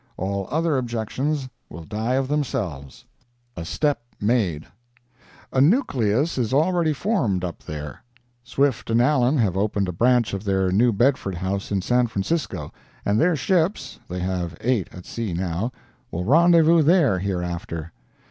All other objections will die of themselves. A STEP MADE A nucleus is already formed up there. Swift & Allen have opened a branch of their New Bedford house in San Francisco, and their ships (they have eight at sea now) will rendezvous there hereafter.